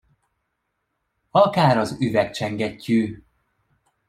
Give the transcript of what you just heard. Akár az üvegcsengettyű!